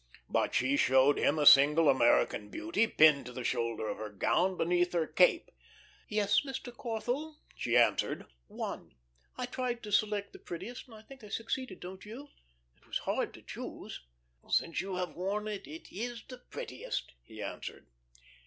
But she showed him a single American Beauty, pinned to the shoulder of her gown beneath her cape. "Yes, Mr. Corthell," she answered, "one. I tried to select the prettiest, and I think I succeeded don't you? It was hard to choose." "Since you have worn it, it is the prettiest," he answered.